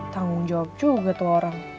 tanggung jawab juga tuh orang